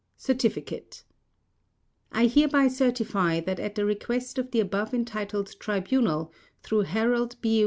Certificate I hereby certify that at the request of the above entitled tribunal, through Harold B.